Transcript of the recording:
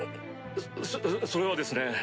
そそれはですね。